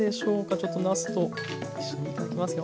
ちょっとなすと一緒に頂きますよ。